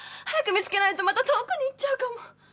早く見つけないとまた遠くに行っちゃうかも。